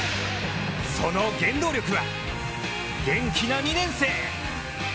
その原動力は元気な２年生！